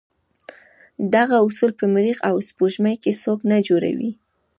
دغه اصول په مریخ او سپوږمۍ کې څوک نه جوړوي.